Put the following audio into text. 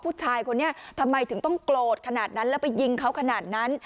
ผู้ชายคนนี้ทำไมถึงต้องโกรธขนาดนั้นแล้วไปยิงเขาขนาดนั้น